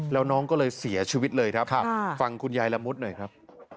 แล้วน้องก็เลยเสียชีวิตเลยครับฟังคุณยายละมุดหน่อยครับ